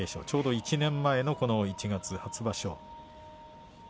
ちょうど１年前のこの１月初場所。